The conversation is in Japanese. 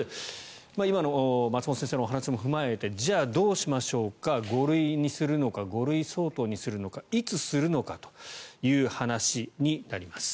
今の松本先生の話も踏まえてじゃあ、どうしましょうか５類にするのか５類相当にするのかいつするのかという話になります。